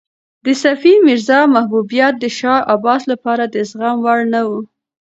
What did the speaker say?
د صفي میرزا محبوبیت د شاه عباس لپاره د زغم وړ نه و.